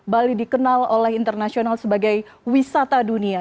bali dikenal oleh internasional sebagai wisata dunia